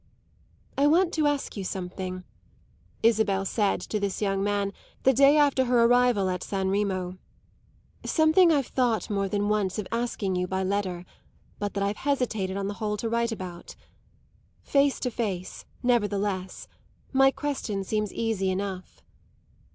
"I want to ask you something," Isabel said to this young man the day after her arrival at San Remo "something I've thought more than once of asking you by letter, but that I've hesitated on the whole to write about. Face to face, nevertheless, my question seems easy enough.